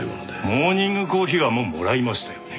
モーニングコーヒーはもうもらいましたよね？